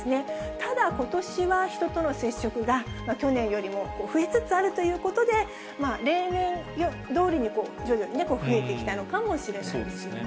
ただ、ことしは人との接触が、去年よりも増えつつあるということで、例年どおりに徐々に増えてきたのかもしれないですよね。